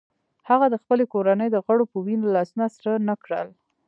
هغه د خپلې کورنۍ د غړو په وینو لاسونه سره نه کړل.